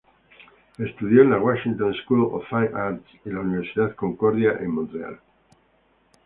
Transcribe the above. Estudió en la Washington School of Fine Arts y la Universidad Concordia en Montreal.